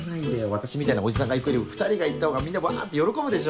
私みたいなおじさんが行くよりも２人が行ったほうがみんなワって喜ぶでしょ。